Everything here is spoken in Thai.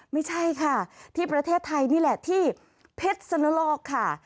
ไม่ใช่ค่ะที่ประเทศไทยนี่แหละที่เพชรสนโลกค่ะ